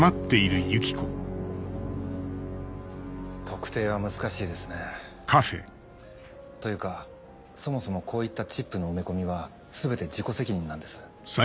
特定は難しいですね。というかそもそもこういったチップの埋め込みは全て自己責任なんです。